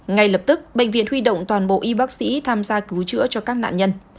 ngay lập tức bệnh viện huy động toàn bộ y bác sĩ tham gia cứu chữa cho các nạn nhân